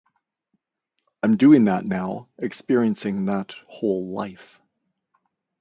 I'm doing that now, experiencing that whole life.